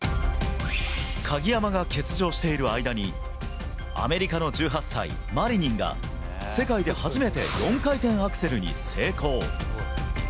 鍵山が欠場している間に、アメリカの１８歳、マリニンが、世界で初めて４回転アクセルに成功。